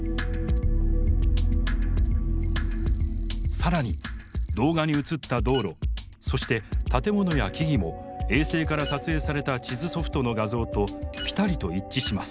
更に動画に映った道路そして建物や木々も衛星から撮影された地図ソフトの画像とぴたりと一致します。